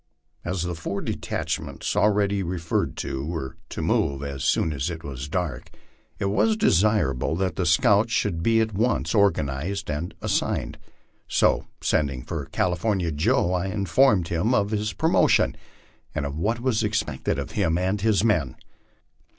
As the four detachments already referred to were to move as soon as it was dark, it was desirable that the scouts should be at once organized and assigned. So, sending for California Joe, I informed him of his promotion and what was expected of him and his men.